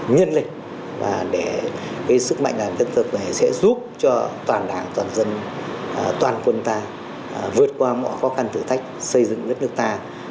nhân lịch và sức mạnh làm dân thực này sẽ giúp cho toàn đảng toàn dân toàn quân ta vượt qua mọi khó khăn thử thách xây dựng đất nước ta